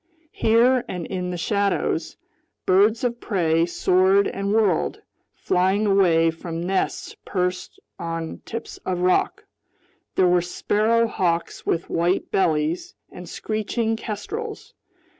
Here and in the shadows, birds of prey soared and whirled, flying away from nests perched on tips of rock. There were sparrow hawks with white bellies, and screeching kestrels.